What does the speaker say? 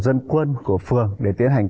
dân quân của phường để tiến hành